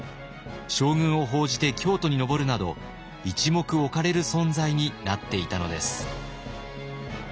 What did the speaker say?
将軍を奉じて京都に上るなど一目置かれる存在になっていたのです。